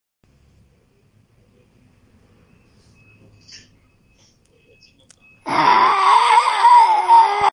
The arena is used for trade shows, banquets, wrestling, and other events.